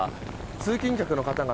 通勤客の方々